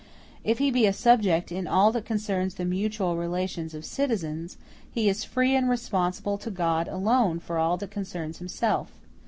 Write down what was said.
If he be a subject in all that concerns the mutual relations of citizens, he is free and responsible to God alone for all that concerns himself.